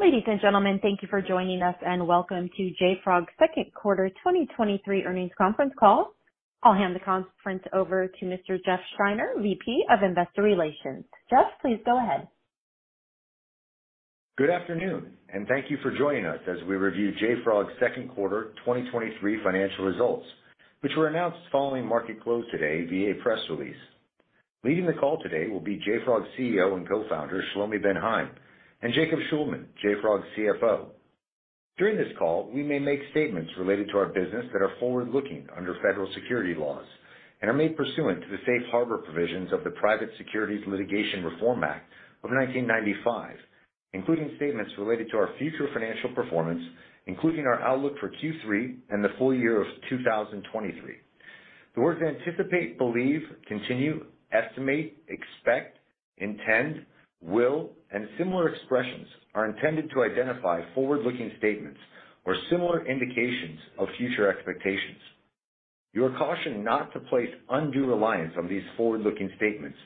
Ladies and gentlemen, thank you for joining us, welcome to JFrog second quarter 2023 earnings conference call. I'll hand the conference over to Mr. Jeff Schreiner, VP of Investor Relations. Jeff, please go ahead. Good afternoon, and thank you for joining us as we review JFrog's second quarter 2023 financial results, which were announced following market close today via press release. Leading the call today will be JFrog's CEO and co-founder, Shlomi Ben Haim, and Jacob Shulman, JFrog's CFO. During this call, we may make statements related to our business that are forward-looking under federal securities laws and are made pursuant to the Safe Harbor provisions of the Private Securities Litigation Reform Act of 1995, including statements related to our future financial performance, including our outlook for Q3 and the full year of 2023. The words anticipate, believe, continue, estimate, expect, intend, will, and similar expressions are intended to identify forward-looking statements or similar indications of future expectations. You are cautioned not to place undue reliance on these forward-looking statements,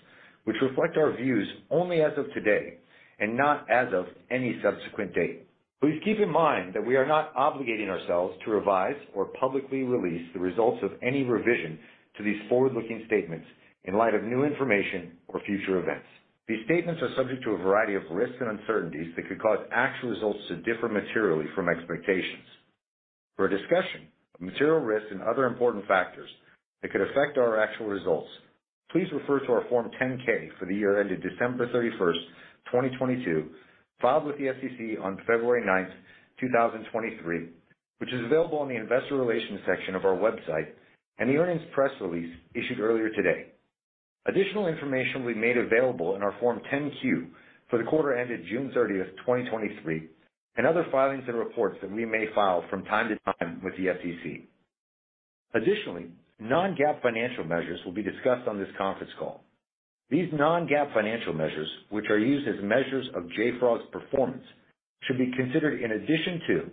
which reflect our views only as of today and not as of any subsequent date. Please keep in mind that we are not obligating ourselves to revise or publicly release the results of any revision to these forward-looking statements in light of new information or future events. These statements are subject to a variety of risks and uncertainties that could cause actual results to differ materially from expectations. For a discussion of material risks and other important factors that could affect our actual results, please refer to our Form 10-K for the year ended December 31st, 2022, filed with the SEC on February 9th, 2023, which is available on the Investor Relations section of our website, and the earnings press release issued earlier today. Additional information will be made available in our Form 10-Q for the quarter ended June 30, 2023, and other filings and reports that we may file from time to time with the SEC. Additionally, non-GAAP financial measures will be discussed on this conference call. These non-GAAP financial measures, which are used as measures of JFrog's performance, should be considered in addition to,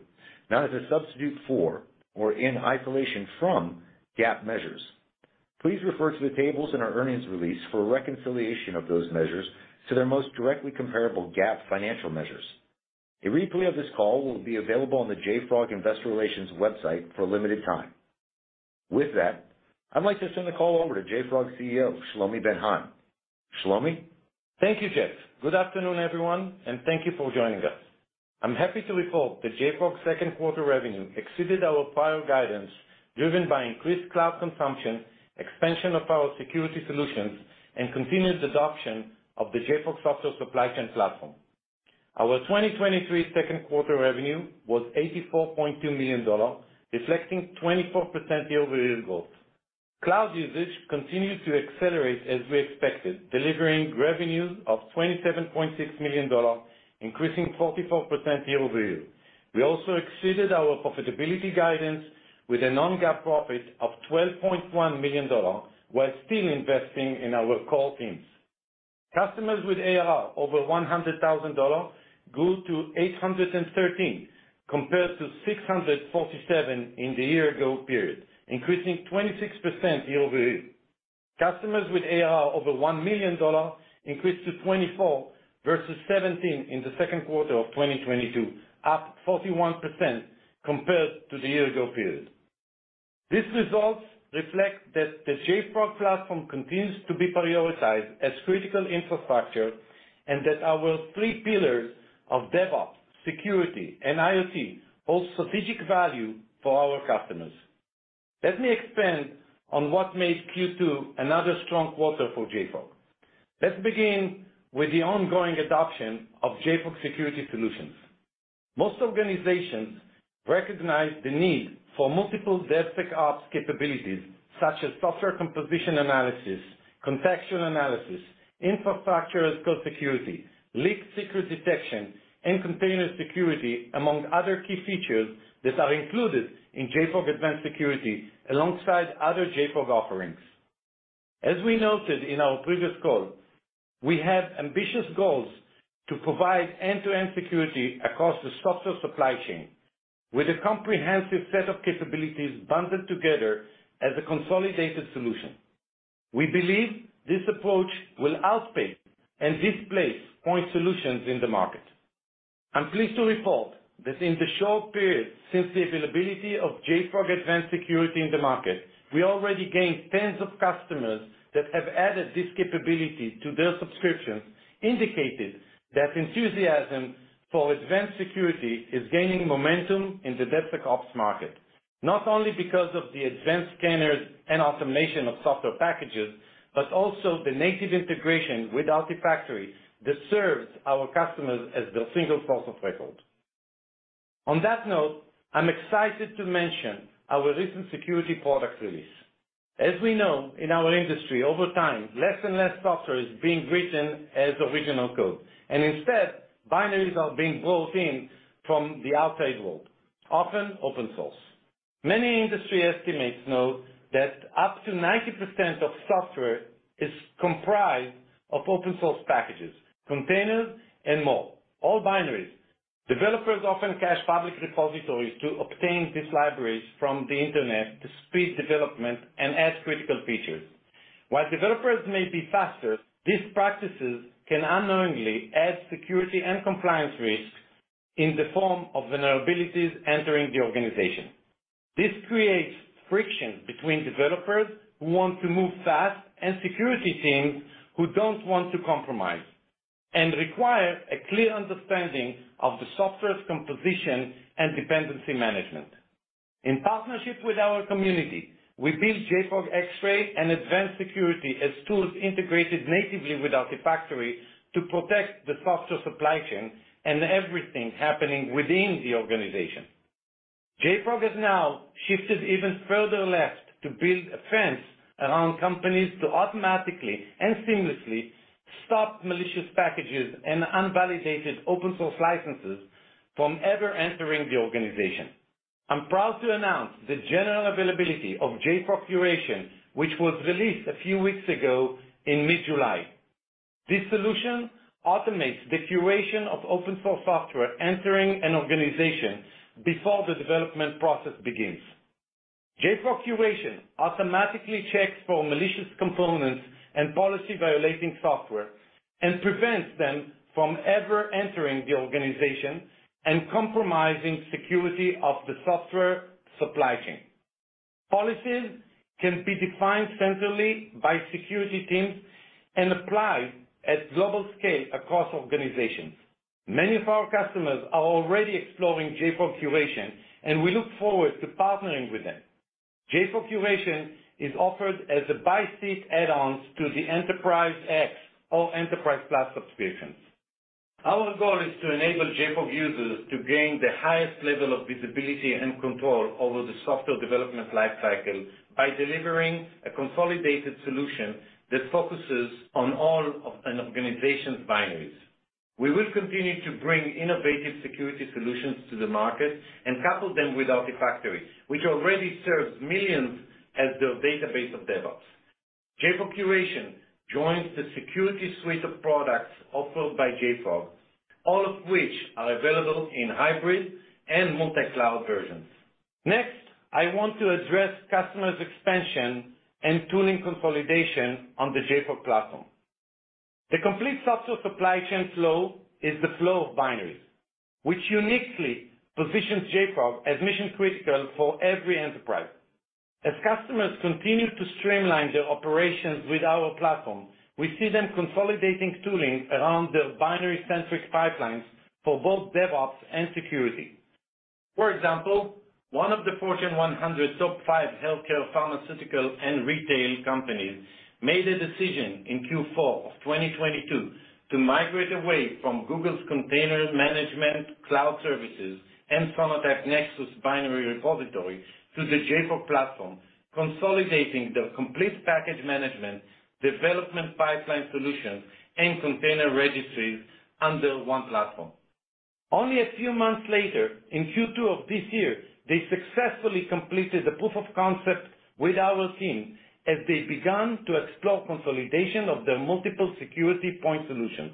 not as a substitute for or in isolation from, GAAP measures. Please refer to the tables in our earnings release for a reconciliation of those measures to their most directly comparable GAAP financial measures. A replay of this call will be available on the JFrog Investor Relations website for a limited time. With that, I'd like to send the call over to JFrog CEO, Shlomi Ben Haim. Shlomi? Thank you, Jeff. Good afternoon, everyone, and thank you for joining us. I'm happy to report that JFrog's second quarter revenue exceeded our prior guidance, driven by increased cloud consumption, expansion of our security solutions, and continued adoption of the JFrog Software Supply Chain Platform. Our 2023 second quarter revenue was $84.2 million, reflecting 24% year-over-year growth. Cloud usage continued to accelerate as we expected, delivering revenues of $27.6 million, increasing 44% year-over-year. We also exceeded our profitability guidance with a non-GAAP profit of $12.1 million, while still investing in our core teams. Customers with ARR over $100,000 grew to 813, compared to 647 in the year ago period, increasing 26% year-over-year. Customers with ARR over $1 million increased to 24 versus 17 in Q2 of 2022, up 41% compared to the year-ago period. These results reflect that the JFrog Platform continues to be prioritized as critical infrastructure, and that our three pillars of DevOps, security, and IoT hold strategic value for our customers. Let me expand on what made Q2 another strong quarter for JFrog. Let's begin with the ongoing adoption of JFrog Security Solutions. Most organizations recognize the need for multiple DevSecOps capabilities, such as Software Composition Analysis, Contextual Analysis, Infrastructure as Code security, Secrets Detection, and container security, among other key features that are included in JFrog Advanced Security, alongside other JFrog offerings. As we noted in our previous call, we have ambitious goals to provide end-to-end security across the software supply chain with a comprehensive set of capabilities bundled together as a consolidated solution. We believe this approach will outpace and displace point solutions in the market. I'm pleased to report that in the short period since the availability of JFrog Advanced Security in the market, we already gained tens of customers that have added this capability to their subscriptions, indicating that enthusiasm for advanced security is gaining momentum in the DevSecOps market, not only because of the advanced scanners and automation of software packages, but also the native integration with Artifactory that serves our customers as the single source of record. On that note, I'm excited to mention our recent security product release. As we know, in our industry, over time, less and less software is being written as original code, and instead, binaries are being brought in from the outside world, often open source. Many industry estimates know that up to 90% of software is comprised of open source packages, containers, and more, all binaries. Developers often cache public repositories to obtain these libraries from the Internet to speed development and add critical features. While developers may be faster, these practices can unknowingly add security and compliance risks in the form of vulnerabilities entering the organization. This creates friction between developers who want to move fast, and security teams who don't want to compromise, and require a clear understanding of the software's composition and dependency management. In partnership with our community, we built JFrog Xray and Advanced Security as tools integrated natively with Artifactory to protect the software supply chain and everything happening within the organization. JFrog has now shifted even further left to build a fence around companies to automatically and seamlessly stop malicious packages and unvalidated open source licenses from ever entering the organization. I'm proud to announce the general availability of JFrog Curation, which was released a few weeks ago in mid-July. This solution automates the curation of open source software entering an organization before the development process begins. JFrog Curation automatically checks for malicious components and policy-violating software, and prevents them from ever entering the organization and compromising security of the software supply chain. Policies can be defined centrally by security teams and applied at global scale across organizations. Many of our customers are already exploring JFrog Curation, and we look forward to partnering with them. JFrog Curation is offered as a by-seat add-ons to the Enterprise X or Enterprise+ subscriptions. Our goal is to enable JFrog users to gain the highest level of visibility and control over the software development lifecycle by delivering a consolidated solution that focuses on all of an organization's binaries. We will continue to bring innovative security solutions to the market and couple them with Artifactory, which already serves millions as their database of DevOps. JFrog Curation joins the security suite of products offered by JFrog, all of which are available in hybrid and multi-cloud versions. Next, I want to address customers expansion and tooling consolidation on the JFrog Platform. The complete software supply chain flow is the flow of binaries, which uniquely positions JFrog as mission-critical for every enterprise. As customers continue to streamline their operations with our platform, we see them consolidating tooling around their binary-centric pipelines for both DevOps and security. For example, one of the Fortune 100 top five healthcare, pharmaceutical, and retail companies made a decision in Q4 of 2022 to migrate away from Google's Container Management Cloud services and Sonatype Nexus Repository to the JFrog Platform, consolidating their complete package management, development pipeline solution, and container registries under one platform. Only a few months later, in Q2 of this year, they successfully completed a proof of concept with our team as they began to explore consolidation of their multiple security point solutions.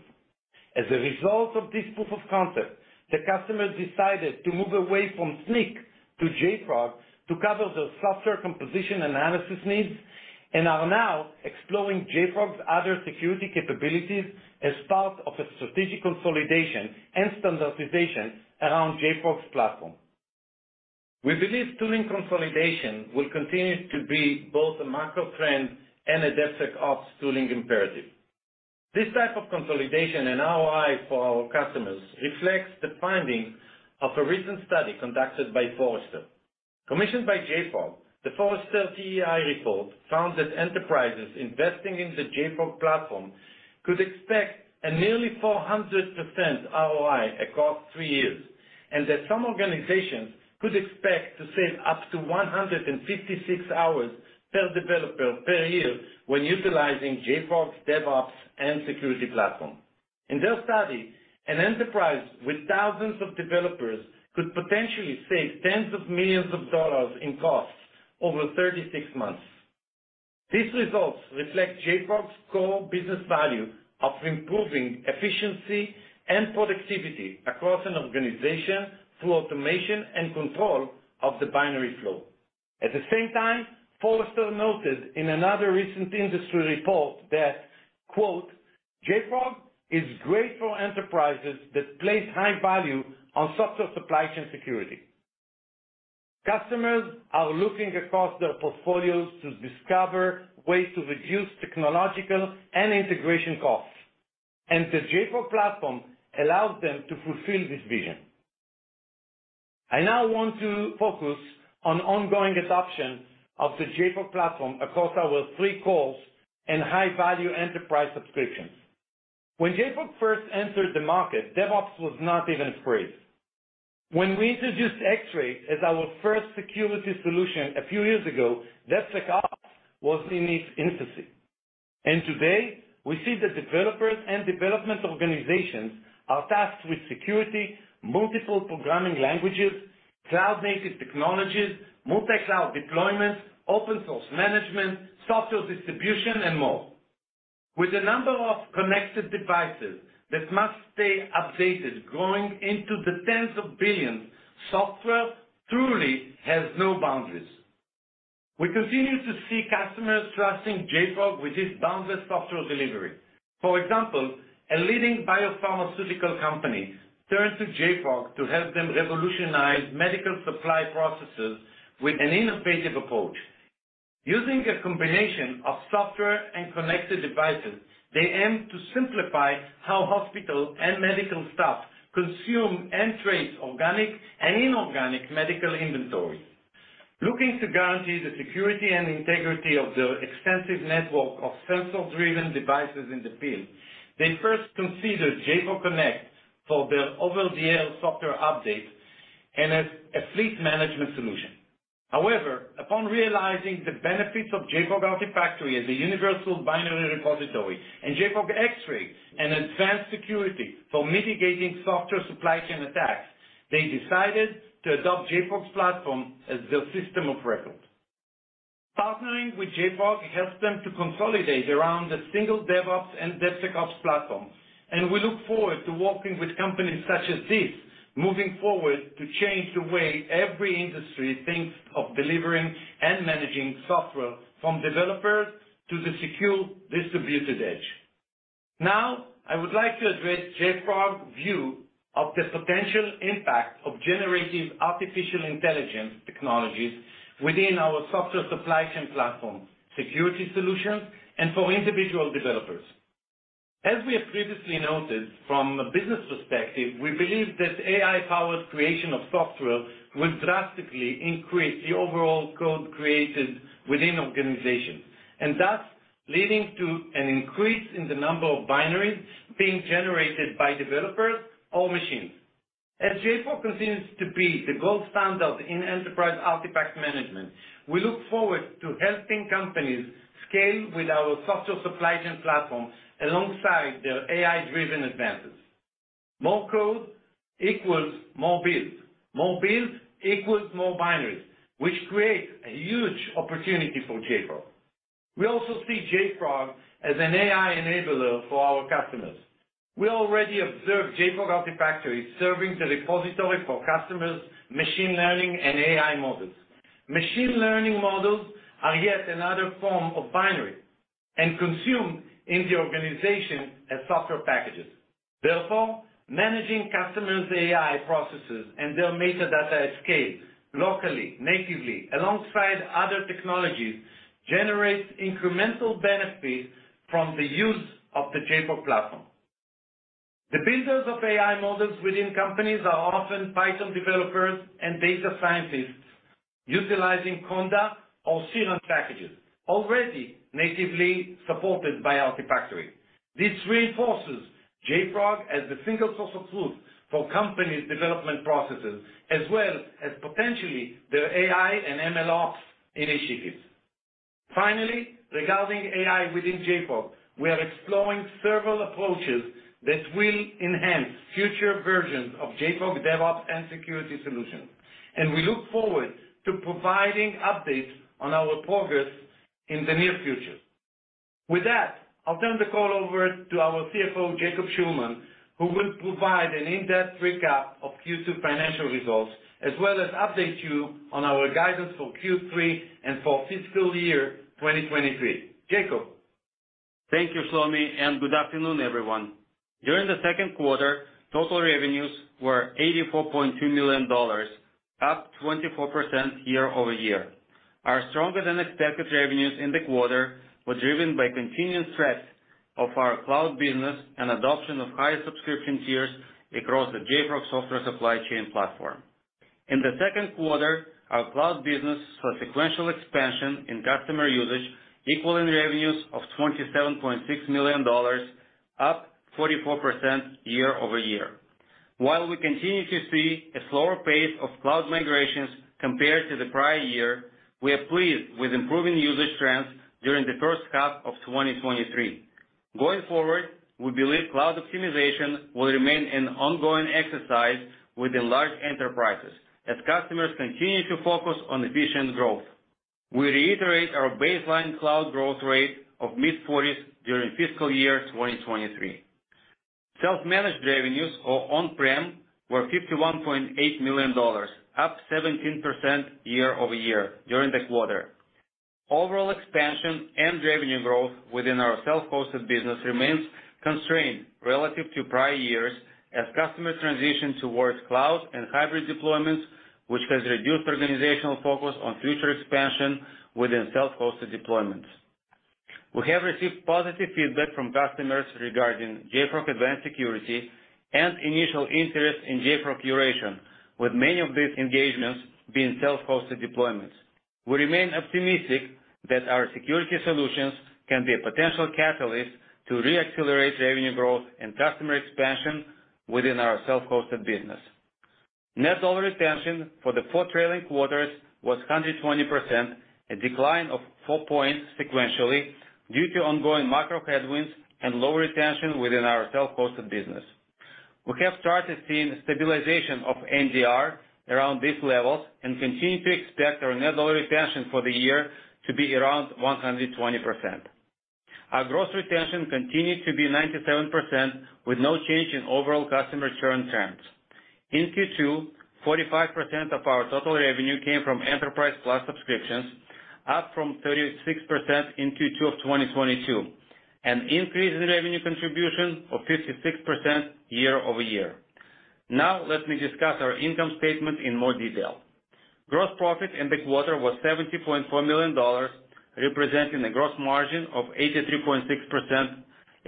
As a result of this proof of concept, the customer decided to move away from Snyk to JFrog to cover their Software Composition Analysis needs, and are now exploring JFrog's other security capabilities as part of a strategic consolidation and standardization around JFrog Platform. We believe tooling consolidation will continue to be both a macro trend and a DevSecOps tooling imperative. This type of consolidation and ROI for our customers reflects the findings of a recent study conducted by Forrester. Commissioned by JFrog, the Forrester TEI report found that enterprises investing in the JFrog Platform could expect a nearly 400% ROI across 3 years, and that some organizations could expect to save up to 156 hours per developer per year when utilizing JFrog DevOps and Security Platform. In their study, an enterprise with thousands of developers could potentially save $ tens of millions in costs over 36 months. These results reflect JFrog's core business value of improving efficiency and productivity across an organization through automation and control of the binary flow. At the same time, Forrester noted in another recent industry report that, quote, "JFrog is great for enterprises that place high value on software supply chain security." Customers are looking across their portfolios to discover ways to reduce technological and integration costs, and the JFrog Platform allows them to fulfill this vision. I now want to focus on ongoing adoption of the JFrog Platform across our 3 cores and high-value enterprise subscriptions. When JFrog first entered the market, DevOps was not even a phrase. When we introduced Xray as our first security solution a few years ago, DevSecOps was in its infancy. Today, we see that developers and development organizations are tasked with security, multiple programming languages, cloud-native technologies, multi-cloud deployments, open source management, software distribution, and more. With the number of connected devices that must stay updated, growing into the tens of billions, software truly has no boundaries. We continue to see customers trusting JFrog with this boundless software delivery. For example, a leading biopharmaceutical company turned to JFrog to help them revolutionize medical supply processes with an innovative approach. Using a combination of software and connected devices, they aim to simplify how hospital and medical staff consume and trace organic and inorganic medical inventory. Looking to guarantee the security and integrity of their extensive network of sensor-driven devices in the field, they first considered JFrog Connect for their over-the-air software updates and as a fleet management solution. However, upon realizing the benefits of JFrog Artifactory as a universal binary repository and JFrog Xray and Advanced Security for mitigating software supply chain attacks, they decided to adopt JFrog's Platform as their system of record. Partnering with JFrog helps them to consolidate around a single DevOps and DevSecOps platform, we look forward to working with companies such as this, moving forward to change the way every industry thinks of delivering and managing software from developers to the secure distributed edge. Now, I would like to address JFrog view of the potential impact of generative artificial intelligence technologies within our software supply chain platform, security solutions, and for individual developers. As we have previously noted, from a business perspective, we believe that AI-powered creation of software will drastically increase the overall code created within organizations, and thus leading to an increase in the number of binaries being generated by developers or machines. As JFrog continues to be the gold standard in enterprise artifact management, we look forward to helping companies scale with our Software Supply Chain Platform alongside their AI-driven advances. More code equals more build. More build equals more binaries, which creates a huge opportunity for JFrog. We also see JFrog as an AI enabler for our customers. We already observed JFrog Artifactory serving the repository for customers, machine learning, and AI models. Machine learning models are yet another form of binary and consumed in the organization as software packages. Therefore, managing customers' AI processes and their metadata at scale, locally, natively, alongside other technologies, generates incremental benefits from the use of the JFrog Platform. The builders of AI models within companies are often Python developers and data scientists utilizing Conda or Sillan packages, already natively supported by Artifactory. This reinforces JFrog as the single source of truth for companies' development processes, as well as potentially their AI and MLOps initiatives. Finally, regarding AI within JFrog, we are exploring several approaches that will enhance future versions of JFrog DevOps and Security Solutions, and we look forward to providing updates on our progress in the near future. With that, I'll turn the call over to our CFO, Jacob Shulman, who will provide an in-depth recap of Q2 financial results, as well as update you on our guidance for Q3 and for fiscal year 2023. Jacob? Thank you, Shlomi. Good afternoon, everyone. During the second quarter, total revenues were $84.2 million, up 24% year-over-year. Our stronger-than-expected revenues in the quarter were driven by continued strength of our cloud business and adoption of higher subscription tiers across the JFrog Software Supply Chain Platform. In the second quarter, our cloud business saw sequential expansion in customer usage, equaling revenues of $27.6 million, up 44% year-over-year. While we continue to see a slower pace of cloud migrations compared to the prior year, we are pleased with improving usage trends during the first half of 2023. Going forward, we believe cloud optimization will remain an ongoing exercise with the large enterprises as customers continue to focus on efficient growth. We reiterate our baseline cloud growth rate of mid-40s during fiscal year 2023. Self-managed revenues or on-prem, were $51.8 million, up 17% year-over-year during the quarter. Overall expansion and revenue growth within our self-hosted business remains constrained relative to prior years as customers transition towards cloud and hybrid deployments, which has reduced organizational focus on future expansion within self-hosted deployments. We have received positive feedback from customers regarding JFrog Advanced Security and initial interest in JFrog Curation, with many of these engagements being self-hosted deployments. We remain optimistic that our security solutions can be a potential catalyst to re-accelerate revenue growth and customer expansion within our self-hosted business. Net overall retention for the four trailing quarters was 120%, a decline of 4 points sequentially due to ongoing macro headwinds and low retention within our self-hosted business.... We have started seeing stabilization of NDR around these levels and continue to expect our net dollar retention for the year to be around 120%. Our gross retention continued to be 97%, with no change in overall customer churn trends. In Q2, 45% of our total revenue came from Enterprise+ subscriptions, up from 36% in Q2 of 2022, an increase in revenue contribution of 56% year-over-year. Let me discuss our income statement in more detail. Gross profit in the quarter was $70.4 million, representing a gross margin of 83.6%,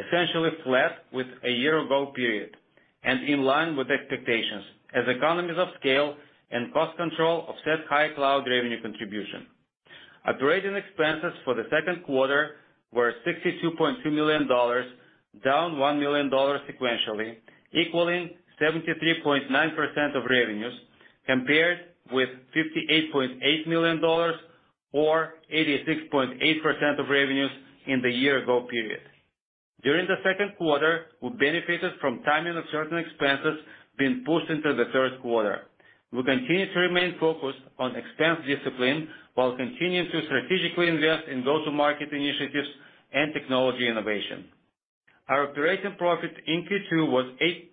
essentially flat with a year ago period, and in line with expectations as economies of scale and cost control offset high cloud revenue contribution. Operating expenses for the second quarter were $62.2 million, down $1 million sequentially, equaling 73.9% of revenues compared with $58.8 million or 86.8% of revenues in the year ago period. During the second quarter, we benefited from timing of certain expenses being pushed into the third quarter. We continue to remain focused on expense discipline while continuing to strategically invest in go-to-market initiatives and technology innovation. Our operating profit in Q2 was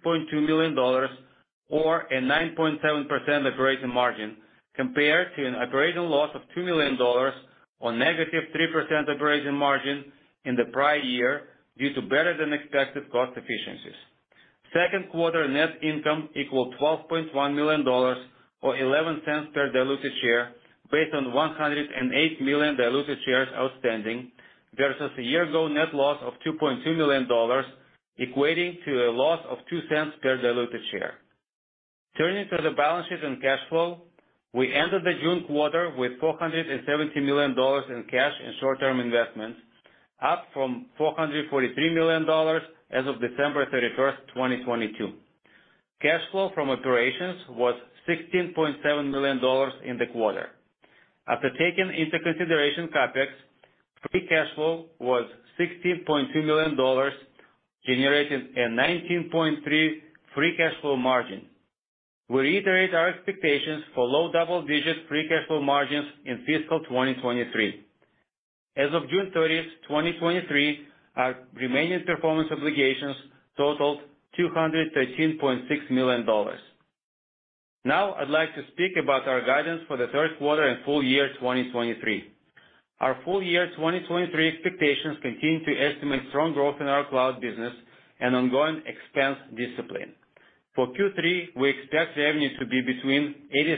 $8.2 million or a 9.7% operating margin, compared to an operating loss of $2 million on -3% operating margin in the prior year due to better-than-expected cost efficiencies. Second quarter net income equaled $12.1 million, or $0.11 per diluted share, based on 108 million diluted shares outstanding, versus a year-ago net loss of $2.2 million, equating to a loss of $0.02 per diluted share. Turning to the balance sheet and cash flow, we ended the June quarter with $470 million in cash and short-term investments, up from $443 million as of December 31, 2022. Cash flow from operations was $16.7 million in the quarter. After taking into consideration CapEx, free cash flow was $16.2 million, generating a 19.3% free cash flow margin. We reiterate our expectations for low double-digit free cash flow margins in fiscal 2023. As of June 30, 2023, our remaining performance obligations totaled $213.6 million. I'd like to speak about our guidance for Q3 and full year 2023. Our full year 2023 expectations continue to estimate strong growth in our cloud business and ongoing expense discipline. For Q3, we expect revenue to be between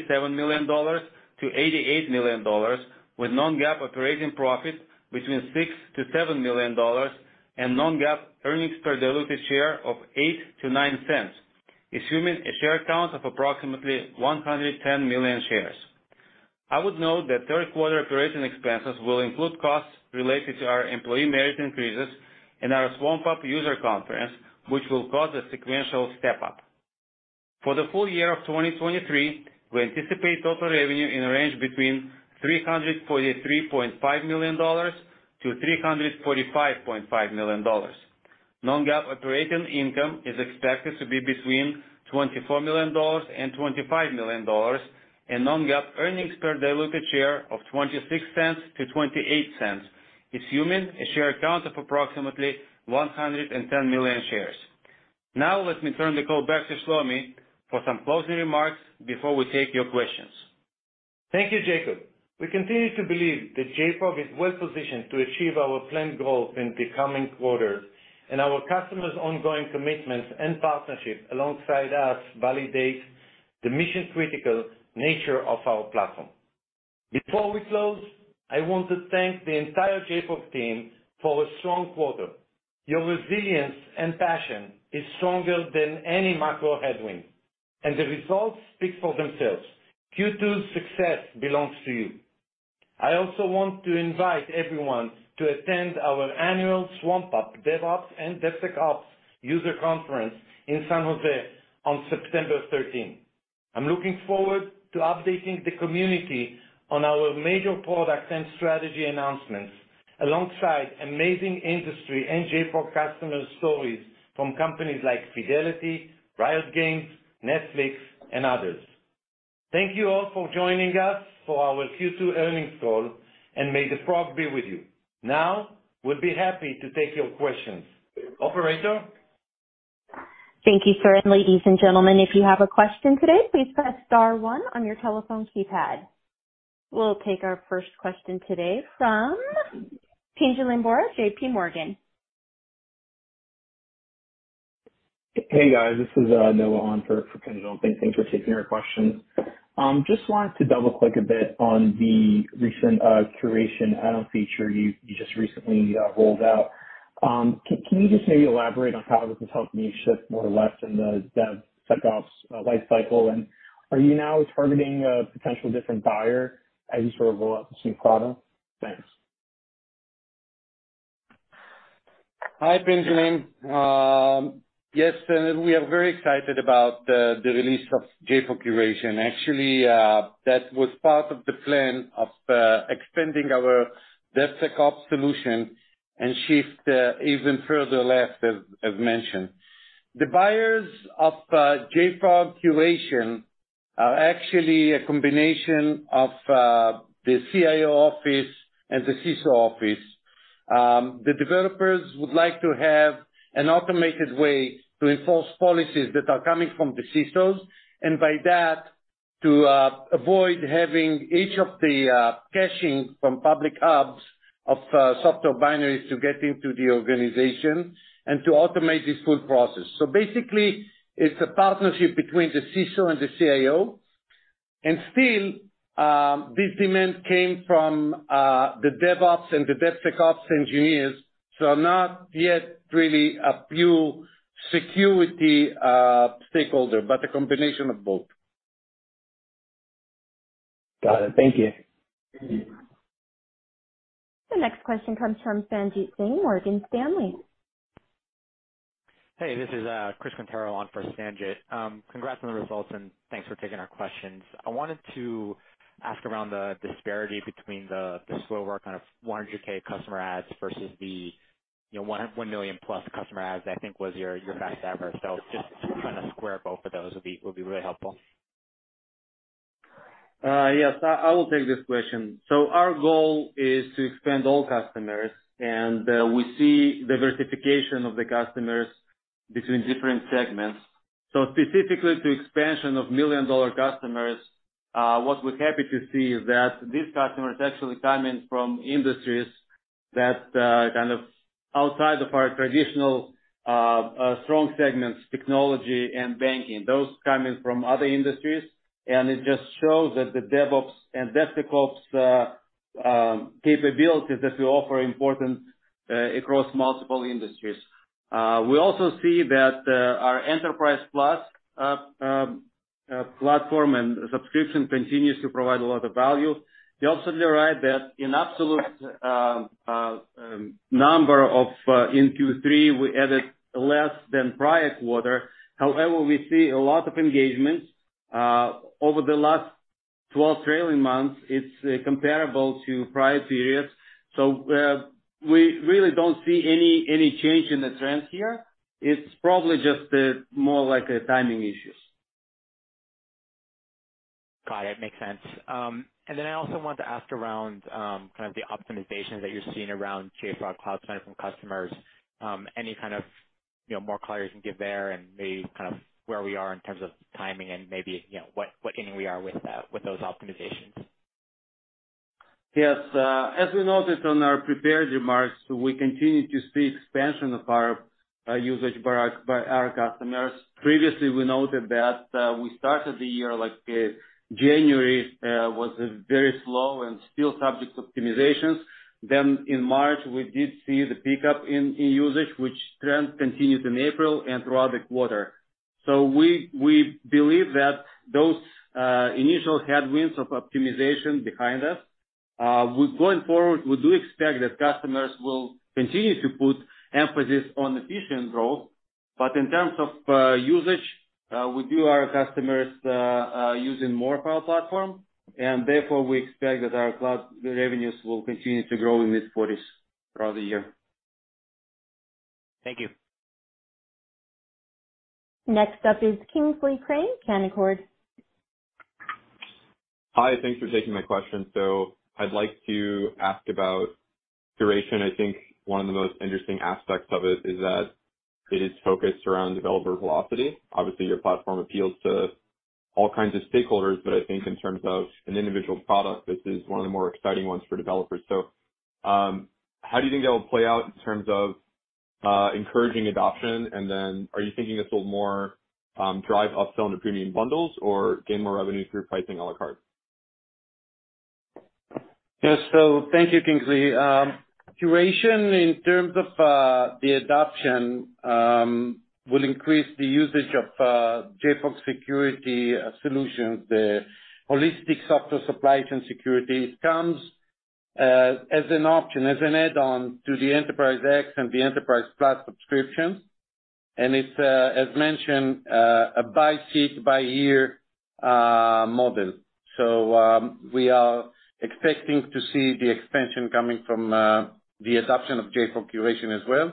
$87 million-$88 million, with non-GAAP operating profit between $6 million-$7 million and non-GAAP earnings per diluted share of $0.08-$0.09, assuming a share count of approximately 110 million shares. I would note that Q3 operating expenses will include costs related to our employee merit increases and our SwampUP user conference, which will cause a sequential step up. For the full year of 2023, we anticipate total revenue in a range between $343.5 million-$345.5 million. Non-GAAP operating income is expected to be between $24 million and $25 million, and non-GAAP earnings per diluted share of $0.26-$0.28, assuming a share count of approximately 110 million shares. Let me turn the call back to Shlomi for some closing remarks before we take your questions. Thank you, Jacob. We continue to believe that JFrog is well positioned to achieve our planned growth in the coming quarters. Our customers' ongoing commitments and partnership alongside us validates the mission-critical nature of our platform. Before we close, I want to thank the entire JFrog team for a strong quarter. Your resilience and passion is stronger than any macro headwind. The results speak for themselves. Q2's success belongs to you. I also want to invite everyone to attend our annual SwampUP DevOps and DevSecOps user conference in San Jose on September 13th. I'm looking forward to updating the community on our major product and strategy announcements, alongside amazing industry and JFrog customer stories from companies like Fidelity, Riot Games, Netflix, and others. Thank you all for joining us for our Q2 earnings call. May the frog be with you. Now, we'll be happy to take your questions. Operator? Thank you, sir. Ladies and gentlemen, if you have a question today, please press star one on your telephone keypad. We'll take our first question today from Benjamin Brower, JP Morgan. Hey, guys, this is Noah on for Benjamin. Thanks for taking your question. Just wanted to double-click a bit on the recent Curation add-on feature you just recently rolled out. Can you just maybe elaborate on how this has helped niche shift more left in the DevSecOps lifecycle? Are you now targeting a potential different buyer as you sort of roll out this new product? Thanks. Hi, Benjamin. Yes, we are very excited about the release of JFrog Curation. Actually, that was part of the plan of expanding our-... That's a cop solution, and shift even further left, as, as mentioned. The buyers of JFrog Curation are actually a combination of the CIO office and the CISO office. The developers would like to have an automated way to enforce policies that are coming from the CISOs, and by that, to avoid having each of the caching from public hubs of software binaries to get into the organization, and to automate this full process. Basically, it's a partnership between the CISO and the CIO. Still, this demand came from the DevOps and the DevSecOps engineers, so not yet really a pure security stakeholder, but a combination of both. Got it. Thank you. The next question comes from Sanjit Singh, Morgan Stanley. Hey, this is Chris Quintero on for Sanjit. Congrats on the results, and thanks for taking our questions. I wanted to ask around the disparity between the slow work on 100K customer adds versus the, you know, 1 million+ customer adds, I think was your, your fact ever. Just trying to square both of those would be, would be really helpful. Yes, I, I will take this question. Our goal is to expand all customers, and we see diversification of the customers between different segments. Specifically, to expansion of million-dollar customers, what we're happy to see is that these customers are actually coming from industries that kind of outside of our traditional strong segments, technology and banking. Those coming from other industries, and it just shows that the DevOps and DevSecOps capabilities that we offer are important across multiple industries. We also see that our Enterprise Plus platform and subscription continues to provide a lot of value. You're also right that in absolute number of in Q3, we added less than prior quarter. However, we see a lot of engagement. Over the last 12 trailing months, it's comparable to prior periods. We really don't see any, any change in the trend here. It's probably just more like a timing issues. Got it. Makes sense. Then I also wanted to ask around, kind of the optimization that you're seeing around JFrog Cloud Center from customers. Any kind of, you know, more clarity you can give there, and maybe kind of where we are in terms of timing and maybe, you know, what, what in we are with, with those optimizations? Yes. As we noted on our prepared remarks, we continue to see expansion of our usage by our, by our customers. Previously, we noted that, we started the year, like, January, was a very slow and still subject to optimizations. In March, we did see the pickup in, in usage, which trend continued in April and throughout the quarter. We, we believe that those initial headwinds of optimization behind us. Going forward, we do expect that customers will continue to put emphasis on efficient growth. In terms of usage, we view our customers using more of our platform, and therefore we expect that our cloud revenues will continue to grow in mid-40s throughout the year. Thank you. Next up is Kingsley Crane, Canaccord. Hi, thanks for taking my question. I'd like to ask about duration. I think one of the most interesting aspects of it is that it is focused around developer velocity. Obviously, your platform appeals to all kinds of stakeholders, but I think in terms of an individual product, this is one of the more exciting ones for developers. How do you think that will play out in terms of encouraging adoption? Are you thinking this will more drive upsell into premium bundles or gain more revenue through pricing a la carte? Yes, thank you, Kingsley. Curation, in terms of, the adoption, will increase the usage of JFrog Security Solutions, the holistic software supply chain security. It comes as an option, as an add-on to the Enterprise X and the Enterprise+ subscription, and it's as mentioned, a buy seat by year model. We are expecting to see the expansion coming from the adoption of JFrog Curation as well,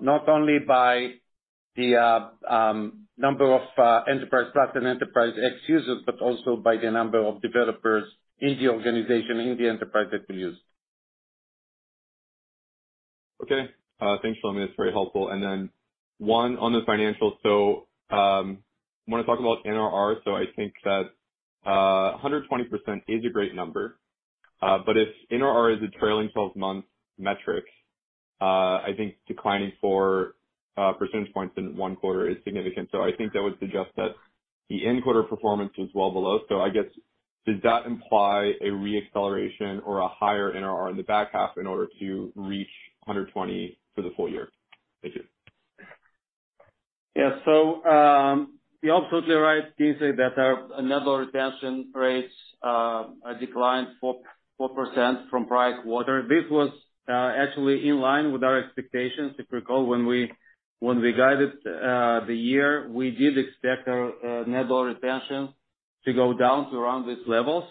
not only by the number of Enterprise+ and Enterprise X users, but also by the number of developers in the organization, in the enterprise that we use. Okay. thanks for that, it's very helpful. One, on the financials. I want to talk about NRR. I think that 120% is a great number, but if NRR is a trailing twelve-month metric, I think declining 4 percentage points in one quarter is significant. I think that would suggest that the end quarter performance was well below. I guess, does that imply a re-acceleration or a higher NRR in the back half in order to reach 120 for the full year? Thank you. Yes. you're absolutely right, Kingsley, that our net promotion rates declined 4% from prior quarter. This was actually in line with our expectations. If you recall, when we, when we guided the year, we did expect our net promotion-... to go down to around these levels.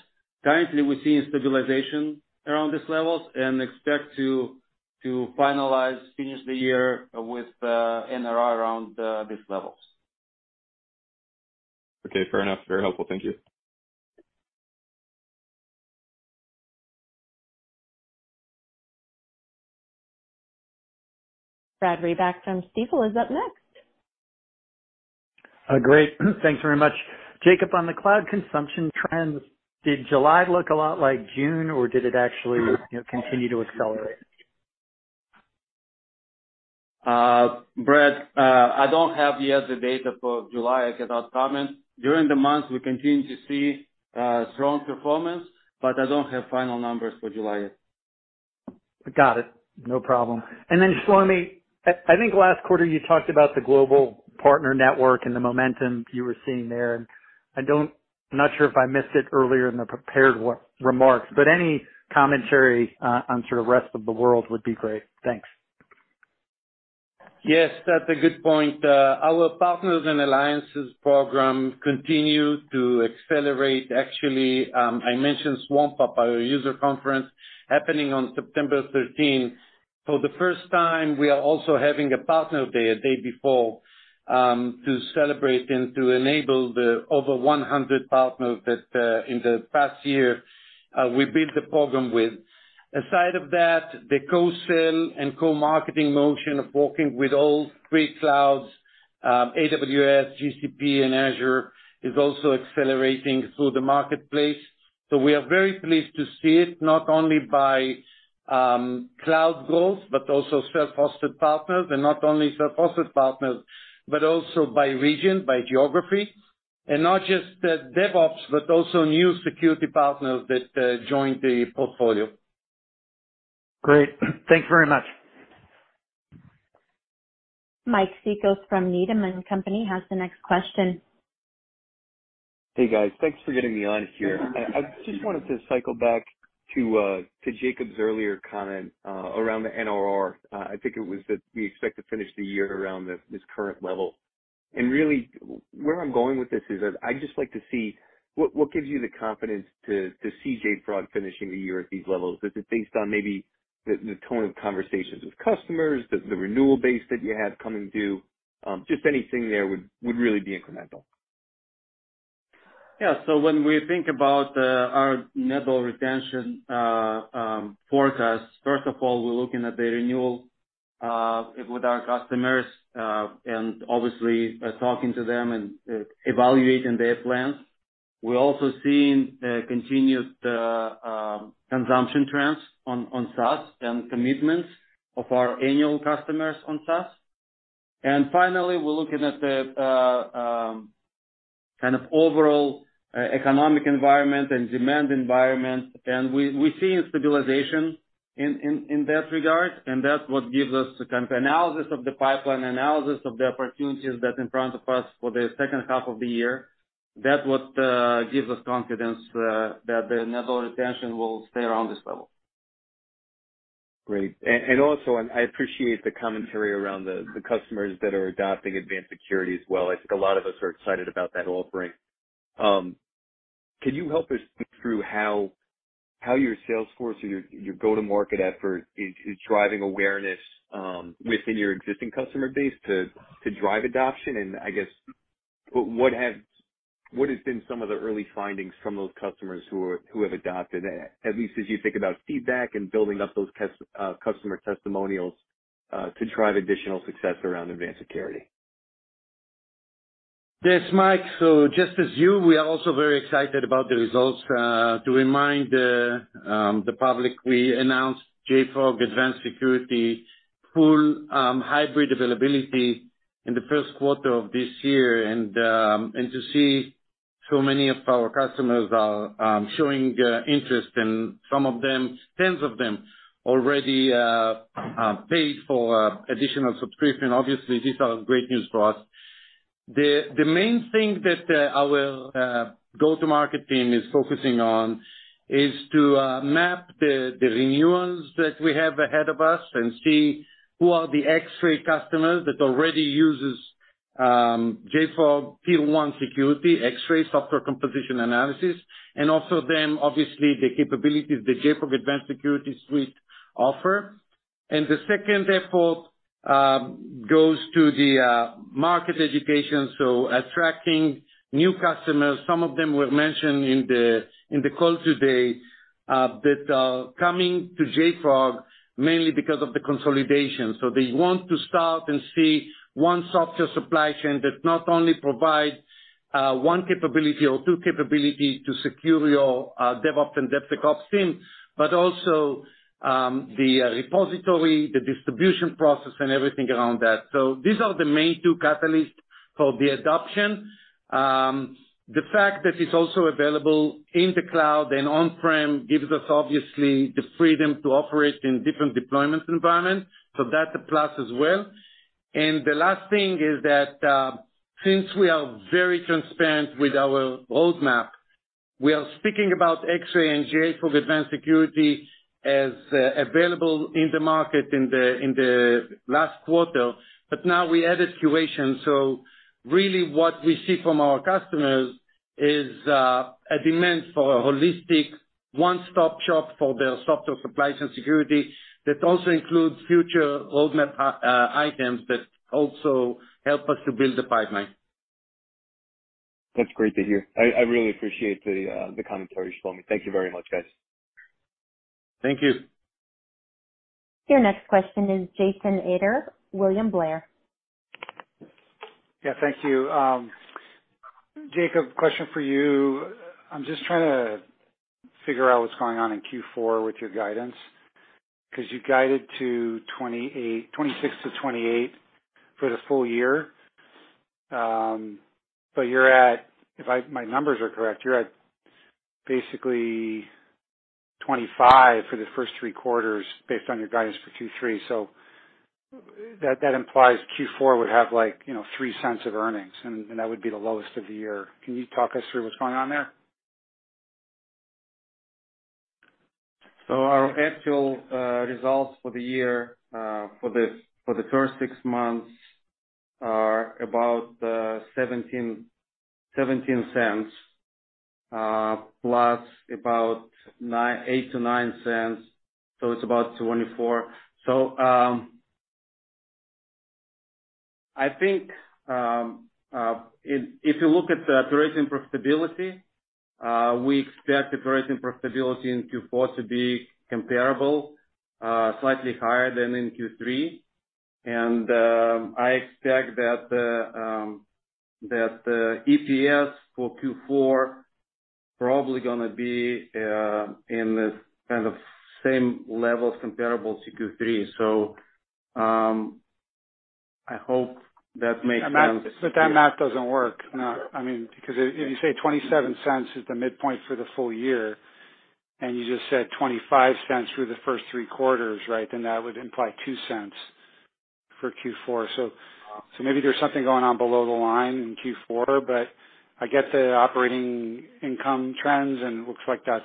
Currently, we're seeing stabilization around these levels and expect to, to finalize, finish the year with NRR around these levels. Okay, fair enough. Very helpful. Thank you. Brad Reback from Stifel is up next. Great. Thanks very much. Jacob, on the cloud consumption trends, did July look a lot like June, or did it actually, you know, continue to accelerate? Brad, I don't have yet the data for July. I cannot comment. During the month, we continued to see strong performance. I don't have final numbers for July yet. Got it. No problem. Then just finally, I think last quarter you talked about the global partner network and the momentum you were seeing there, and I don't... I'm not sure if I missed it earlier in the prepared remarks, but any commentary on sort of rest of the world would be great. Thanks. Yes, that's a good point. Our partners and alliances program continued to accelerate. Actually, I mentioned SwampUP, our user conference, happening on September 13th. For the first time, we are also having a partner day, a day before, to celebrate and to enable the over 100 partners that, in the past year, we built the program with. Aside of that, the co-sale and co-marketing motion of working with all three clouds, AWS, GCP, and Azure, is also accelerating through the marketplace. We are very pleased to see it, not only by cloud growth, but also self-hosted partners, and not only self-hosted partners, but also by region, by geography, and not just DevOps, but also new security partners that joined the portfolio. Great. Thank you very much. Mike Cikos from Needham and Company has the next question. Hey, guys. Thanks for getting me on here. I just wanted to cycle back to Jacob's earlier comment around the NRR. I think it was that we expect to finish the year around this current level. Really, where I'm going with this is that I'd just like to see, what gives you the confidence to see JFrog finishing the year at these levels? Is it based on maybe the tone of conversations with customers, the renewal base that you had coming due? Just anything there would really be incremental. Yeah. When we think about our net dollar retention forecast, first of all, we're looking at the renewal with our customers and obviously talking to them and evaluating their plans. We're also seeing continued consumption trends on SaaS and commitments of our annual customers on SaaS. Finally, we're looking at the kind of overall economic environment and demand environment, and we, we're seeing stabilization in, in, in that regard, and that's what gives us the kind of analysis of the pipeline, analysis of the opportunities that's in front of us for the second half of the year. That's what gives us confidence that the net dollar retention will stay around this level. Great. Also, I appreciate the commentary around the, the customers that are adopting Advanced Security as well. I think a lot of us are excited about that offering. Can you help us think through how, how your sales force or your, your go-to-market effort is, is driving awareness within your existing customer base to, to drive adoption? I guess, what have, what has been some of the early findings from those customers who have adopted it, at least as you think about feedback and building up those customer testimonials to drive additional success around Advanced Security? Yes, Mike. Just as you, we are also very excited about the results. To remind the public, we announced JFrog Advanced Security full hybrid availability in the first quarter of this year, and to see so many of our customers are showing interest, and some of them, tens of them, already paid for additional subscription, obviously these are great news for us. The main thing that our go-to-market team is focusing on, is to map the renewals that we have ahead of us and see who are the JFrog Xray customers that already uses JFrog Tier one security, JFrog Xray Software Composition Analysis, and also then, obviously, the capabilities the JFrog Advanced Security Suite offer. The second effort goes to the market education, so attracting new customers. Some of them were mentioned in the, in the call today, that are coming to JFrog mainly because of the consolidation. They want to start and see one software supply chain that not only provide one capability or two capabilities to secure your DevOps and DevSecOps team, but also the repository, the distribution process, and everything around that. These are the main two catalysts for the adoption. The fact that it's also available in the cloud and on-prem gives us, obviously, the freedom to operate in different deployment environments, so that's a plus as well. The last thing is that, since we are very transparent with our roadmap-... We are speaking about X-Ray and JFrog Advanced Security as available in the market in the last quarter, but now we added Curation. really what we see from our customers is, a demand for a holistic one-stop shop for their software supplies and security, that also includes future roadmap items, that also help us to build the pipeline. That's great to hear. I, I really appreciate the commentary, Shlomi. Thank you very much, guys. Thank you. Your next question is Jason Ader, William Blair. Yeah, thank you. Jacob, question for you. I'm just trying to figure out what's going on in Q4 with your guidance, 'cause you guided to $0.28-- $0.26-$0.28 for the full year. you're at, my numbers are correct, you're at basically $0.25 for the first three quarters based on your guidance for Q3. That implies Q4 would have like, you know, $0.03 of earnings, and that would be the lowest of the year. Can you talk us through what's going on there? Our actual results for the year, for the, for the first six months are about $0.17, plus about $0.08-$0.09, so it's about $0.24. I think, if, if you look at the operating profitability, we expect the operating profitability in Q4 to be comparable, slightly higher than in Q3. I expect that the EPS for Q4 probably gonna be in the kind of same level comparable to Q3. I hope that makes sense. That math doesn't work. I mean, because if you say $0.27 is the midpoint for the full year, and you just said $0.25 through the first three quarters, right? That would imply $0.02 for Q4. Maybe there's something going on below the line in Q4, but I get the operating income trends, and it looks like that's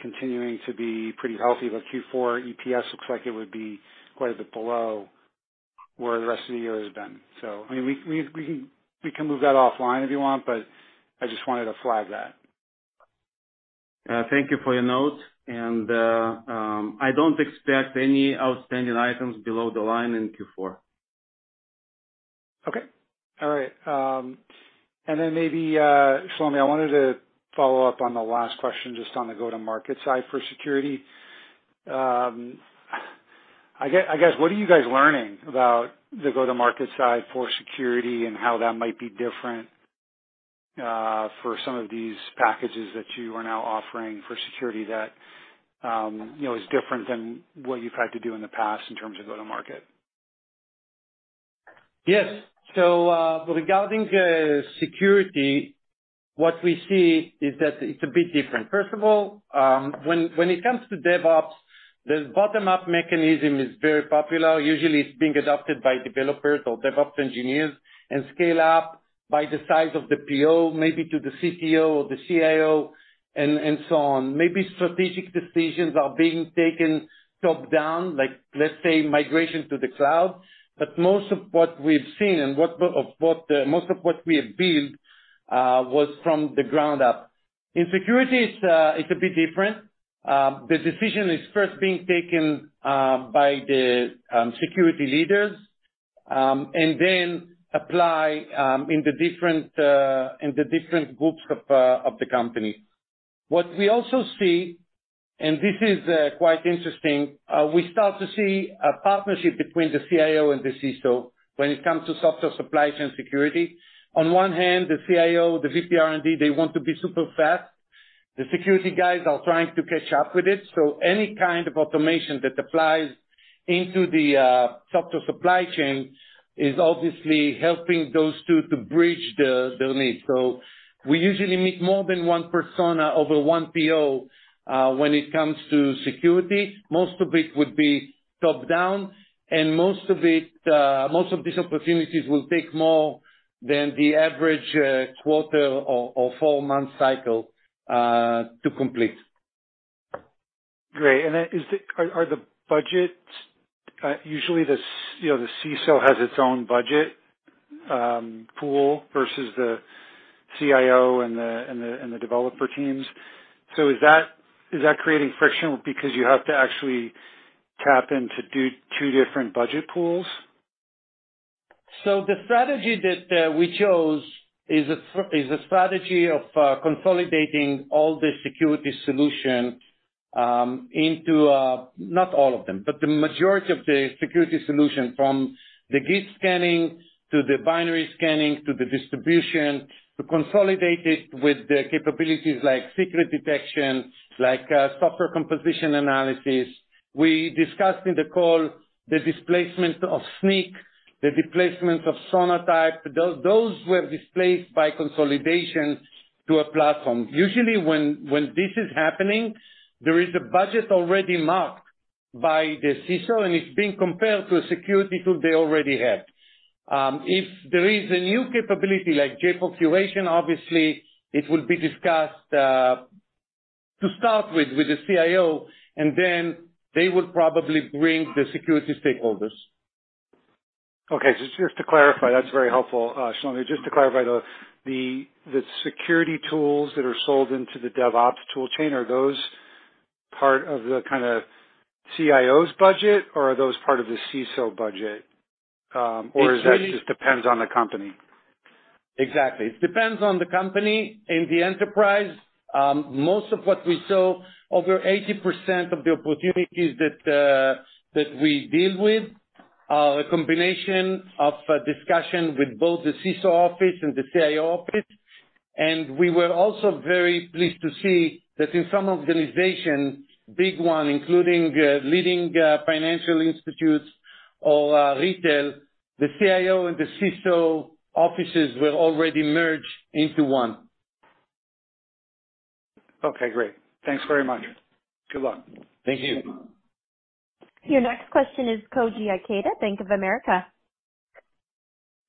continuing to be pretty healthy. Q4 EPS looks like it would be quite a bit below where the rest of the year has been. I mean, we can move that offline if you want, but I just wanted to flag that. Thank you for your notes, and, I don't expect any outstanding items below the line in Q4. Okay. All right, then maybe, Shlomi, I wanted to follow up on the last question, just on the go-to-market side for security. What are you guys learning about the go-to-market side for security and how that might be different, for some of these packages that you are now offering for security that, you know, is different than what you've had to do in the past in terms of go-to-market? Yes. Regarding security, what we see is that it's a bit different. First of all, when, when it comes to DevOps, the bottom-up mechanism is very popular. Usually, it's being adopted by developers or DevOps engineers, and scale up by the size of the PO, maybe to the CTO or the CIO and, and so on. Maybe strategic decisions are being taken top-down, like let's say, migration to the cloud, most of what we've seen and what, of what, most of what we have built was from the ground up. In security, it's a bit different. The decision is first being taken by the security leaders, and then apply in the different, in the different groups of the company. What we also see, and this is quite interesting, we start to see a partnership between the CIO and the CISO when it comes to software supplies and security. On one hand, the CIO, the VP R&D, they want to be super fast. The security guys are trying to catch up with it. Any kind of automation that applies into the software supply chain is obviously helping those two to bridge their needs. We usually meet more than one persona over one PO when it comes to security. Most of it would be top-down, and most of it, most of these opportunities will take more than the average quarter or four-month cycle to complete. Great. Are the budgets, usually you know, the CISO has its own budget, pool versus the CIO and the developer teams? Is that creating friction because you have to actually tap into two different budget pools? The strategy that we chose is a strategy of consolidating all the security solutions into not all of them, but the majority of the security solutions, from the git scanning to the binary scanning, to the distribution, to consolidate it with the capabilities like secret detection, like software composition analysis. We discussed in the call the displacement of Snyk, the displacement of Sonatype. Those were displaced by consolidation to a platform. Usually, when this is happening, there is a budget already marked by the CISO, and it's being compared to a security tool they already have. If there is a new capability like JFrog Curation, obviously, it will be discussed to start with, with the CIO, and then they would probably bring the security stakeholders. Okay. Just, just to clarify, that's very helpful, Shlomi. Just to clarify, the, the, the security tools that are sold into the DevOps tool chain, are those part of the kind of CIO's budget, or are those part of the CISO budget? Is that just depends on the company? Exactly. It depends on the company. In the enterprise, most of what we sell, over 80% of the opportunities that we deal with, are a combination of a discussion with both the CISO office and the CIO office. We were also very pleased to see that in some organizations, big one, including, leading, financial institutes or, retail, the CIO and the CISO offices were already merged into one. Okay, great. Thanks very much. Good luck. Thank you. Your next question is Koji Ikeda, Bank of America.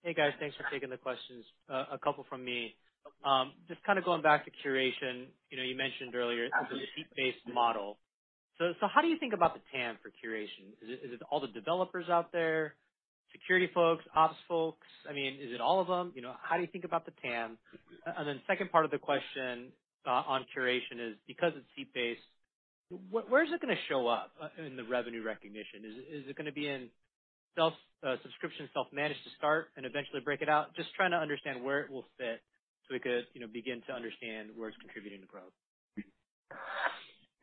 Hey, guys. Thanks for taking the questions. A couple from me. Just kind of going back to curation, you know, you mentioned earlier the seat-based model. How do you think about the TAM for curation? Is it, is it all the developers out there, security folks, ops folks? I mean, is it all of them? You know, how do you think about the TAM? Second part of the question on curation is, because it's seat-based, where is it gonna show up in the revenue recognition? Is, is it gonna be in self, subscription, self-managed to start and eventually break it out? Just trying to understand where it will fit, so we could, you know, begin to understand where it's contributing the growth.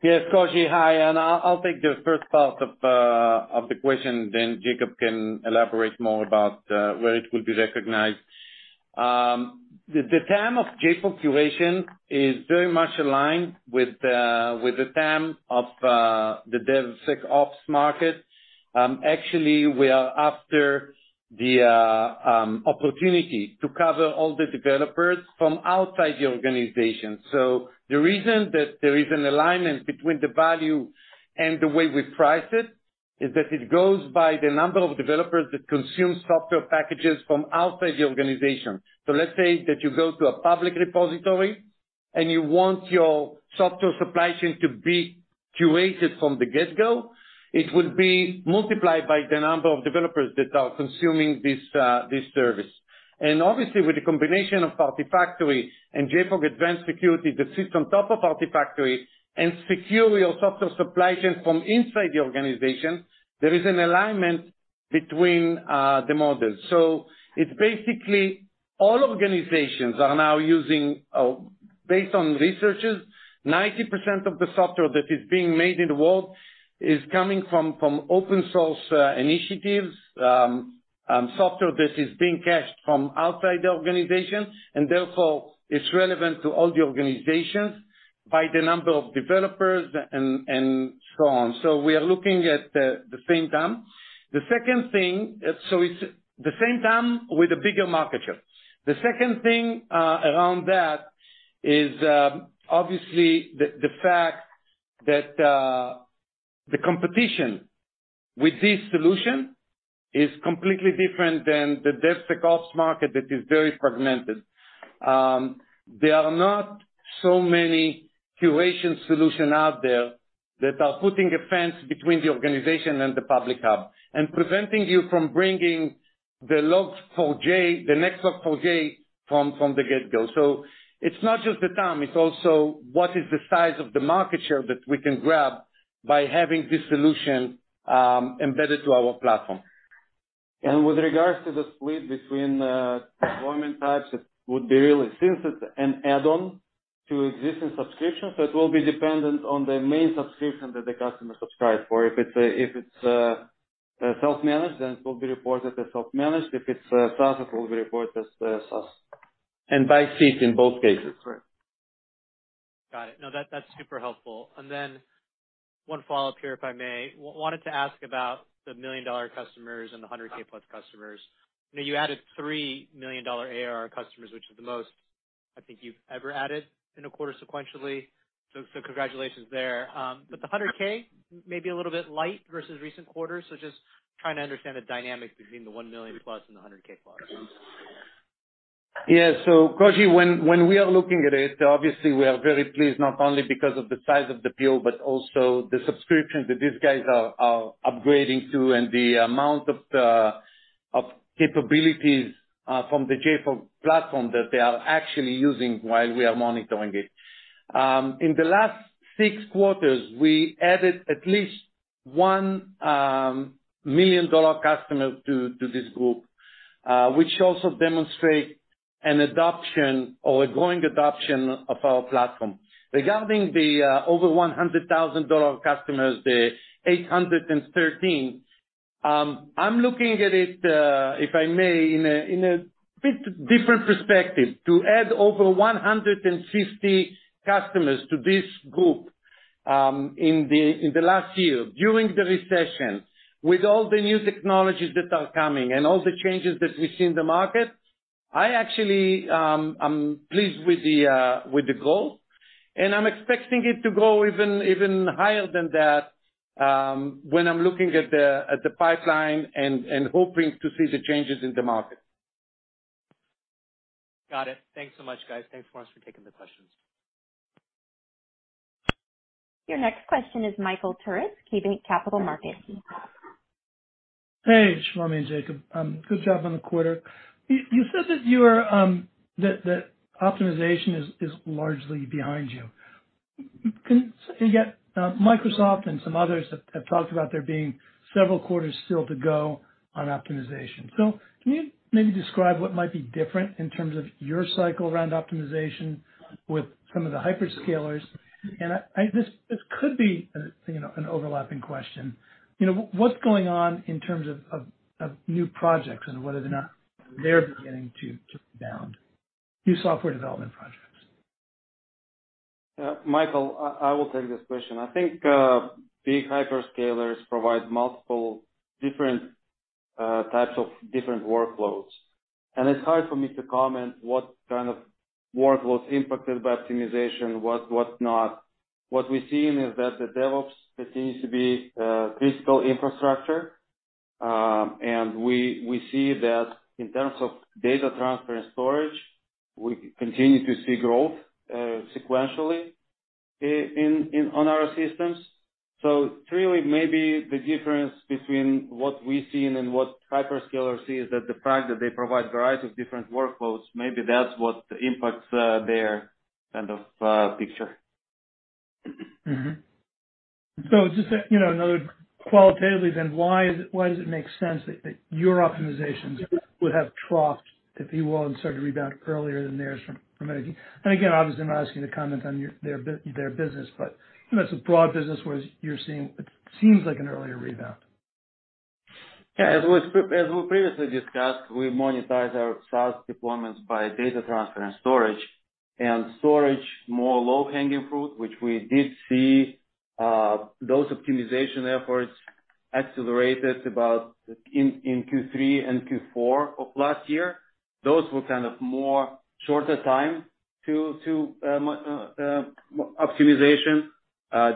Yes, Koji, hi, I'll, I'll take the first part of the question, then Jacob can elaborate more about where it will be recognized. The TAM of JFrog Curation is very much aligned with the TAM of the DevSecOps market. Actually, we are after the opportunity to cover all the developers from outside the organization. The reason that there is an alignment between the value and the way we price it, is that it goes by the number of developers that consume software packages from outside the organization. Let's say that you go to a public repository, and you want your software supply chain to be curated from the get-go, it would be multiplied by the number of developers that are consuming this service. Obviously, with the combination of JFrog Artifactory and JFrog Advanced Security, that sits on top of JFrog Artifactory and secure your software supply chain from inside the organization, there is an alignment between the models. It's basically all organizations are now using. Based on researches, 90% of the software that is being made in the world is coming from, from open source initiatives, software that is being cached from outside the organization, and therefore, it's relevant to all the organizations by the number of developers and so on. We are looking at the same TAM. The second thing, it's the same TAM with a bigger market share. The second thing around that is, obviously, the fact that the competition with this solution is completely different than the DevSecOps market that is very fragmented. There are not so many curation solution out there that are putting a fence between the organization and the public hub, preventing you from bringing the Log4j, the next Log4j from the get-go. It's not just the TAM, it's also what is the size of the market share that we can grab by having this solution embedded to our platform. With regards to the split between deployment types, it would be really, since it's an add-on to existing subscriptions, so it will be dependent on the main subscription that the customer subscribed for. If it's a, if it's a self-managed, then it will be reported as self-managed. If it's SaaS, it will be reported as SaaS. by seat in both cases. Correct. Got it. No, that, that's super helpful. One follow-up here, if I may. Wanted to ask about the $1 million customers and the $100K+ customers. I know you added 3 $1 million ARR customers, which is the most I think you've ever added in a quarter sequentially, so, so congratulations there. The $100K may be a little bit light versus recent quarters, just trying to understand the dynamic between the $1 million+ and the $100K+. Yeah. Koji, when, when we are looking at it, obviously, we are very pleased, not only because of the size of the deal, but also the subscriptions that these guys are, are upgrading to, and the amount of the, of capabilities from the JFrog Platform that they are actually using while we are monitoring it. In the last six quarters, we added at least $1 million-dollar customer to, to this group, which also demonstrate an adoption or a growing adoption of our Platform. Regarding the over $100,000 customers, the 813, I'm looking at it, if I may, in a bit different perspective, to add over 150 customers to this group, in the last year, during the recession, with all the new technologies that are coming and all the changes that we see in the market. I actually, I'm pleased with the goal, and I'm expecting it to grow even, even higher than that, when I'm looking at the pipeline and, and hoping to see the changes in the market. Got it. Thanks so much, guys. Thanks so much for taking the questions. Your next question is Michael Turits, KeyBanc Capital Markets. Hey, Shlomi and Jacob. Good job on the quarter. You said that optimization is largely behind you. Can Microsoft and some others have talked about there being several quarters still to go on optimization. Can you maybe describe what might be different in terms of your cycle around optimization with some of the hyperscalers? You know, an overlapping question. You know, what's going on in terms of new projects, and whether or not they're beginning to rebound, new software development projects? Michael, I, I will take this question. I think the hyperscalers provide multiple different types of different workloads, and it's hard for me to comment what kind of workloads impacted by optimization, what, what not. What we've seen is that the DevOps continues to be critical infrastructure, and we, we see that in terms of data transfer and storage, we continue to see growth sequentially in, in, on our systems. Really, maybe the difference between what we've seen and what hyperscalers see is that the fact that they provide a variety of different workloads, maybe that's what impacts their kind of picture. Mm-hmm. just to, you know, qualitatively then, why is it, why does it make sense that, that your optimizations would have troughed, if you will, and started to rebound earlier than theirs from a... again, obviously, I'm not asking you to comment on your, their their business, but, you know, it's a broad business where you're seeing what seems like an earlier rebound. Yeah, as we, as we previously discussed, we monetize our SaaS deployments by data transfer and storage. Storage, more low-hanging fruit, which we did see, those optimization efforts accelerated about in, in Q3 and Q4 of last year. Those were kind of more shorter time to, to, optimization.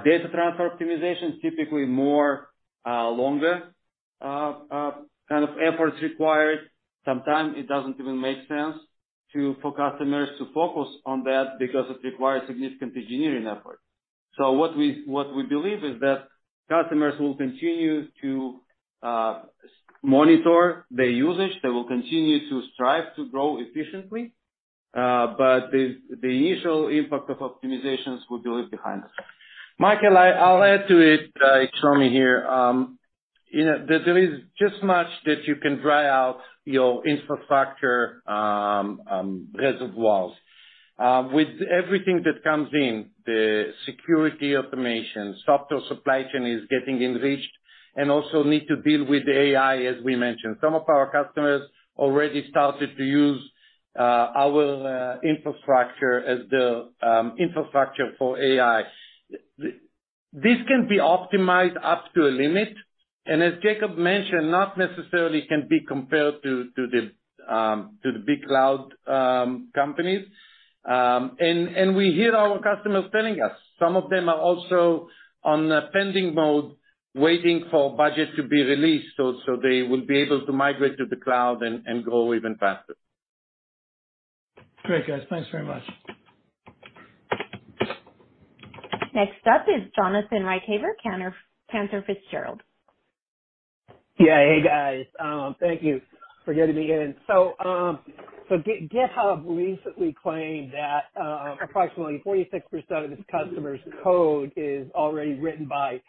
Data transfer optimization is typically more, longer, kind of efforts required. Sometimes it doesn't even make sense to, for customers to focus on that because it requires significant engineering effort. What we, what we believe is that customers will continue to, monitor the usage. They will continue to strive to grow efficiently, but the, the initial impact of optimizations will be leave behind. Michael, I, I'll add to it, Shlomi here. You know, there, there is just much that you can dry out your infrastructure reservoirs. With everything that comes in, the security automation, software supply chain is getting enriched, and also need to deal with AI, as we mentioned. Some of our customers already started to use our infrastructure as the infrastructure for AI. This can be optimized up to a limit, and as Jacob mentioned, not necessarily can be compared to the big cloud companies. We hear our customers telling us, some of them are also on a pending mode, waiting for budget to be released, so they will be able to migrate to the cloud and grow even faster. Great, guys. Thanks very much. Next up is Jonathan Ruykhaver Counter- Cantor Fitzgerald. Yeah. Hey, guys. Thank you for getting me in. GitHub recently claimed that approximately 46% of its customers' code is already written by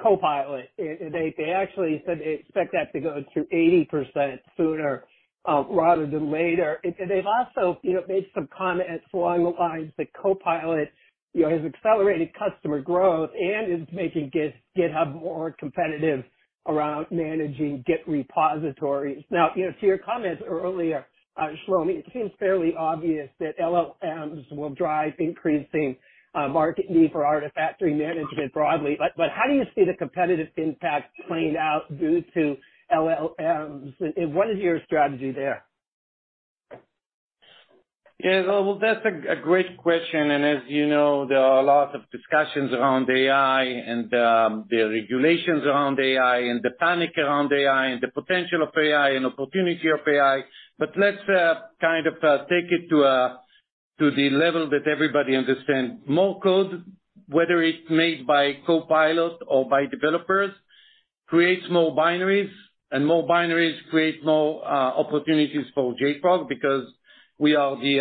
Copilot. They, they actually said they expect that to go to 80% sooner, rather than later. They've also, you know, made some comments along the lines that Copilot, you know, has accelerated customer growth and is making GitHub more competitive around managing Git repositories. Now, you know, to your comments earlier, Shlomi, it seems fairly obvious that LLMs will drive increasing market need for artifactory management broadly. How do you see the competitive impact playing out due to LLMs, and what is your strategy there? Yeah, well, that's a, a great question, and as you know, there are a lot of discussions around AI and, the regulations around AI, and the panic around AI, and the potential of AI, and opportunity of AI. Let's, kind of, take it to, to the level that everybody understands. More code, whether it's made by Copilot or by developers, creates more binaries, and more binaries create more, opportunities for JFrog, because we are the,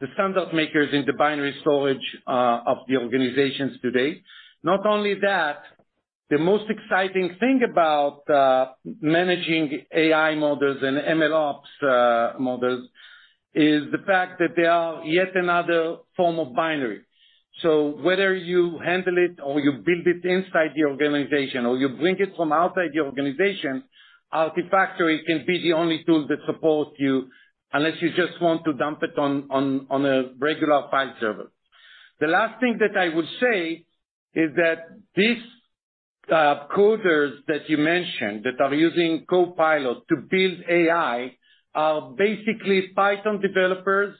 the standard makers in the binary storage, of the organizations today. Not only that, the most exciting thing about, managing AI models and MLOps, models, is the fact that they are yet another form of binary. Whether you handle it or you build it inside the organization, or you bring it from outside the organization, Artifactory can be the only tool that supports you, unless you just want to dump it on a regular file server. The last thing that I would say is that this coders that you mentioned, that are using Copilot to build AI, are basically Python developers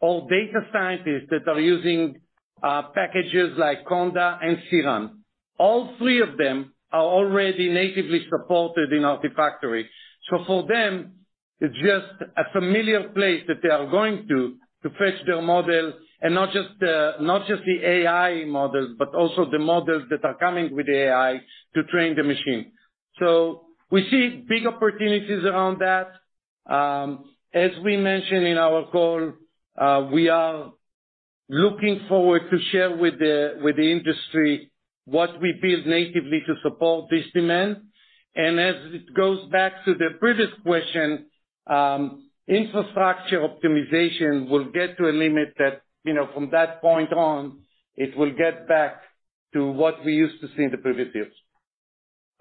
or data scientists that are using packages like Conda and Siri. All three of them are already natively supported in Artifactory. For them, it's just a familiar place that they are going to, to fetch their model, and not just not just the AI models, but also the models that are coming with AI to train the machine. We see big opportunities around that. As we mentioned in our call, we are looking forward to share with the, with the industry what we build natively to support this demand. And as it goes back to the previous question, infrastructure optimization will get to a limit that, you know, from that point on, it will get back to what we used to see in the previous years.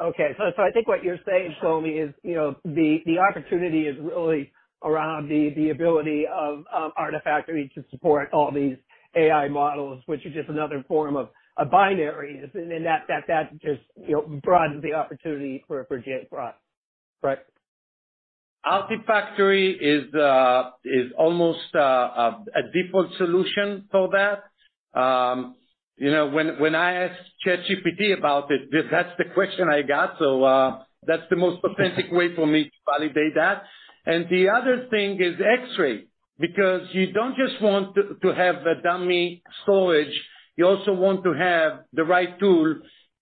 Okay. I think what you're saying, Shlomi, is, you know, the, the opportunity is really around the, the ability of Artifactory to support all these AI models, which is just another form of binaries, and then that, that, that just, you know, broadens the opportunity for JFrog, right? Artifactory is almost a default solution for that. You know, when I asked ChatGPT about it, that's the question I got, so that's the most authentic way for me to validate that. The other thing is Xray, because you don't just want to have a dummy storage, you also want to have the right tool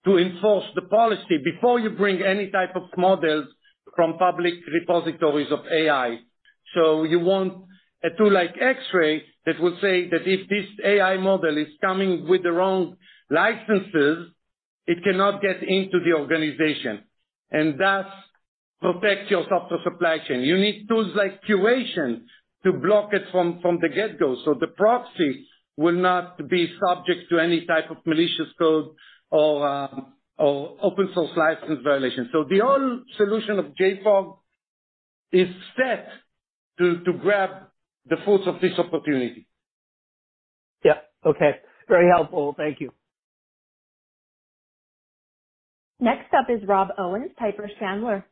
to enforce the policy before you bring any type of models from public repositories of AI. You want a tool like Xray, that will say that if this AI model is coming with the wrong licenses, it cannot get into the organization, and thus protect your software supply chain. You need tools like Curation to block it from, from the get-go, so the proxy will not be subject to any type of malicious code or open source license violation. The whole solution of JFrog is set to grab the fruits of this opportunity. Yeah. Okay. Very helpful. Thank you. Next up is Rob Owens, Piper Sandler.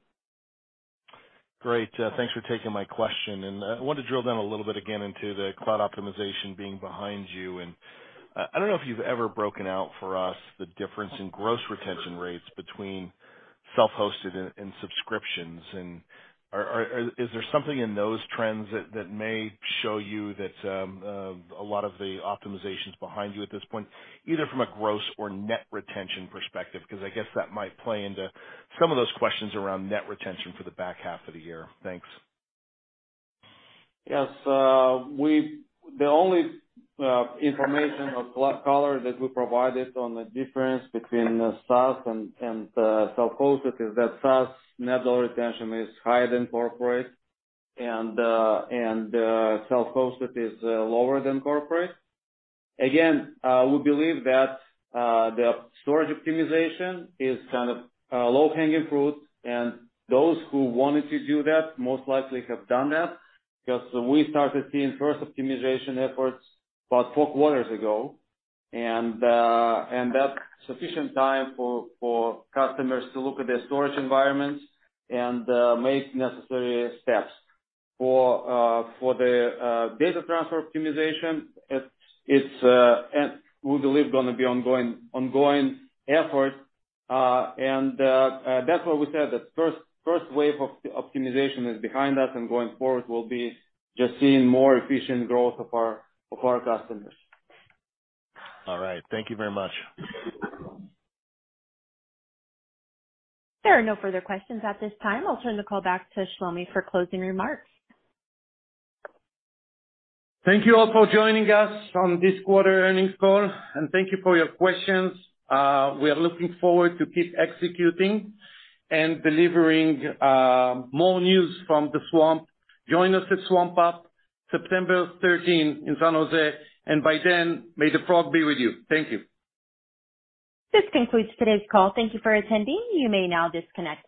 Great, thanks for taking my question. I want to drill down a little bit again into the cloud optimization being behind you, and, I don't know if you've ever broken out for us the difference in gross retention rates between self-hosted and, and subscriptions. Is there something in those trends that, that may show you that, a lot of the optimization's behind you at this point, either from a gross or net retention perspective? Because I guess that might play into some of those questions around net retention for the back half of the year. Thanks. Yes, The only information of cloud color that we provided on the difference between the SaaS and, and self-hosted, is that SaaS net dollar retention is higher than corporate, and, and self-hosted is lower than corporate. Again, we believe that the storage optimization is kind of low-hanging fruit, and those who wanted to do that most likely have done that, because we started seeing first optimization efforts about four quarters ago, and that's sufficient time for customers to look at their storage environments and make necessary steps. For the data transfer optimization, it's and we believe going to be ongoing, ongoing effort. That's why we said the first, first wave of optimization is behind us, and going forward, we'll be just seeing more efficient growth of our, of our customers. All right. Thank you very much. There are no further questions at this time. I'll turn the call back to Shlomi for closing remarks. Thank you all for joining us on this quarter earnings call. Thank you for your questions. We are looking forward to keep executing and delivering more news from the Swamp. Join us at Swamp Up, September 13th, in San Jose. By then, may the frog be with you. Thank you. This concludes today's call. Thank you for attending. You may now disconnect.